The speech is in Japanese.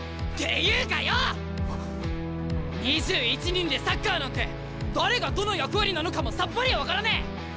２１人でサッカーなんて誰がどの役割なのかもさっぱり分からねえ！